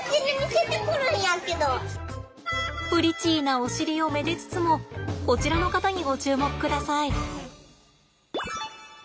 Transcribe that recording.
プリチーなお尻をめでつつもこちらの方にご注目ください。